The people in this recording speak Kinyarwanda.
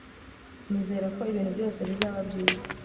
nizera ko ibintu byose bizaba byiza